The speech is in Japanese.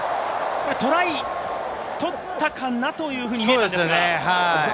トライを取ったかなというふうに見えたのですが。